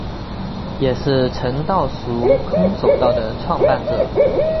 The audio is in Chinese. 也是诚道塾空手道的创办者。